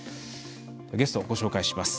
ゲスト、ご紹介します。